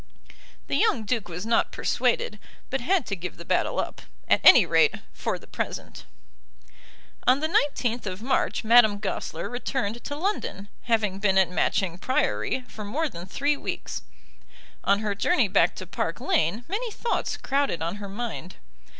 The young Duke was not persuaded, but had to give the battle up, at any rate, for the present. On the 19th of March Madame Goesler returned to London, having been at Matching Priory for more than three weeks. On her journey back to Park Lane many thoughts crowded on her mind.